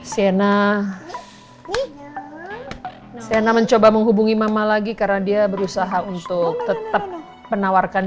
sena sena mencoba menghubungi mama lagi karena dia berusaha untuk tetap menawarkan